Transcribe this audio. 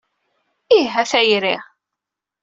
Ih, a tayri.